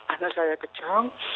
anak saya kejang